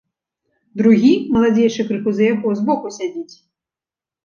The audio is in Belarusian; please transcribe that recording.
Другі, маладзейшы крыху за яго, збоку сядзіць.